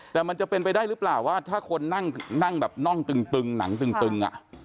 แต่มันจะเป็นไปได้หรือเปล่าว่าถ้าคนนั่งแบบน่องตึงหนังตึง